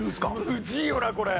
むずいよなこれ。